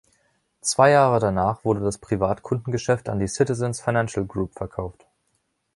Zwei Jahre danach wurde das Privatkundengeschäft an die Citizens Financial Group verkauft.